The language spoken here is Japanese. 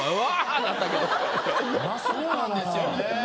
そうなんですよね。